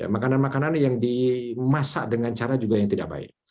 makanan makanan yang dimasak dengan cara juga yang tidak baik